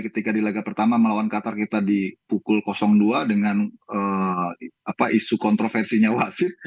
ketika di laga pertama melawan qatar kita di pukul dua dengan isu kontroversinya wasit